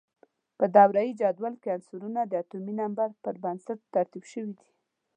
په دوره یي جدول کې عنصرونه د اتومي نمبر پر بنسټ ترتیب شوي دي.